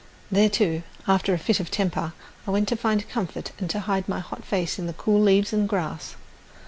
There, too, after a fit of temper, I went to find comfort and to hide my hot face in the cool leaves and grass.